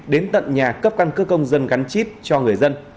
đến tận nhà cấp căn cước công dân gắn chip cho người dân